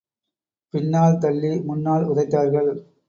பின்னால் தள்ளி, முன்னால் உதைத்தார்கள்.